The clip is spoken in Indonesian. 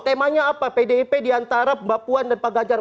temanya apa pdip diantara mbak puan dan pak ganjar